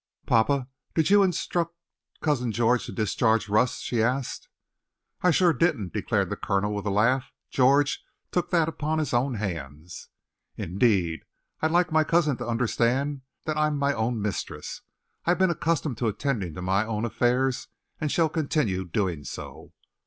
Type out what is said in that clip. "Papa, did you instruct Cousin George to discharge Russ?" she asked. "I sure didn't," declared the colonel, with a laugh. "George took that upon his own hands." "Indeed! I'd like my cousin to understand that I'm my own mistress. I've been accustomed to attending to my own affairs and shall continue doing so.